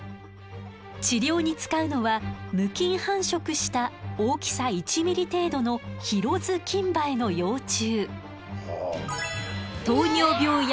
治療に使うのは無菌繁殖した大きさ１ｍｍ程度のヒロズキンバエの幼虫。